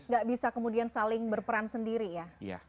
gak bisa kemudian saling berperan sendiri ya